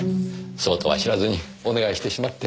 そうとは知らずにお願いしてしまって。